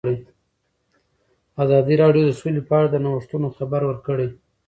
ازادي راډیو د سوله په اړه د نوښتونو خبر ورکړی.